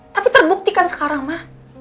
tapi terbuktikan sekarang ma